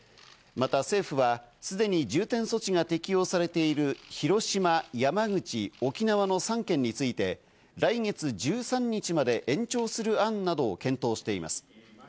また政府はすでに重点措置が適用されている広島、山口、沖縄の３県について来月１３日まで延長する案などを検討しています。